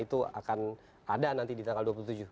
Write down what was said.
itu akan ada nanti di tanggal dua puluh tujuh